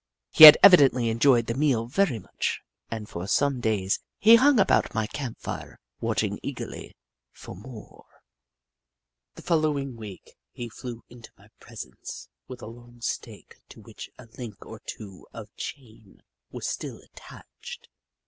He had evidently enjoyed the meal very much and for some days he hung about my camp fire, watching eagerly for more. The following week he fiew into my presence with a long stake to which a link or two of chain was still attached.